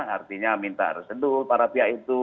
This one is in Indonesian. artinya minta resedu para pihak itu